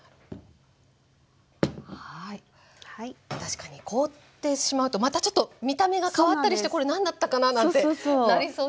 確かに凍ってしまうとまたちょっと見た目が変わったりしてこれ何だったかな？なんてなりそうですもんね。